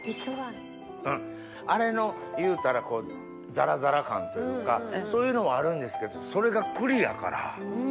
うんあれの言うたらザラザラ感というかそういうのもあるんですけどそれが栗やから。